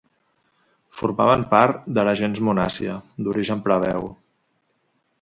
Formaven part de la gens Munàcia, d'origen plebeu.